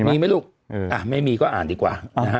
มีไหมลูกไม่มีก็อ่านดีกว่านะฮะ